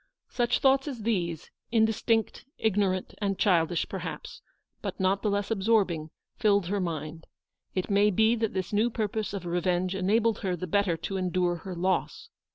Such thoughts as these, indistinct, ignorant, and childish, perhaps, but not the less absorbing, filled her mind. It may be that this new purpose of revenge enabled her the better to endure her loss.